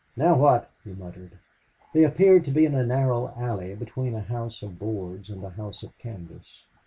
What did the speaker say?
"Now what?" he muttered. They appeared to be in a narrow alley between a house of boards and a house of canvas.